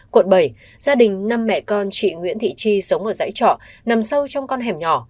quận bảy gia đình năm mẹ con chị nguyễn thị chi sống ở dãy trọ nằm sâu trong con hẻm nhỏ